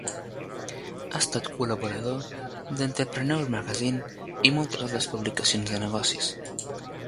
Ha estat col·laborador d'"Entrepreneur Magazine", i moltes altres publicacions de negocis.